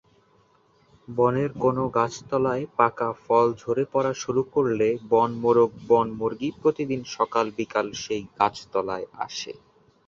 বনের কোনো গাছতলায় পাকা ফল ঝরে পড়া শুরু করলে বনমোরগ-বনমুরগী প্রতিদিন সকাল-বিকাল সেই গাছতলায় আসে।